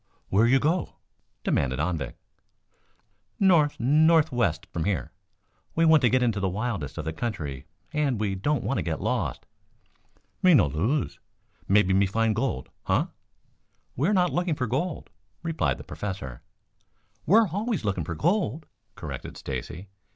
"Where you go?" demanded Anvik. "North. Northwest from here. We want to get into the wildest of the country and we don't want to get lost." "Me no lose. Mebby me find gold, uh!" "We are not looking for gold," replied the Professor. "We are always looking for gold," corrected Stacy.